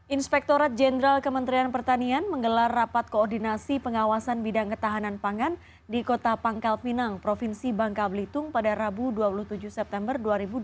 inspektorat jenderal kementerian pertanian menggelar rapat koordinasi pengawasan bidang ketahanan pangan di kota pangkal pinang provinsi bangka belitung pada rabu dua puluh tujuh september dua ribu dua puluh